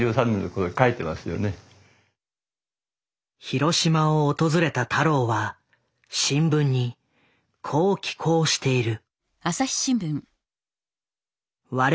広島を訪れた太郎は新聞にこう寄稿している。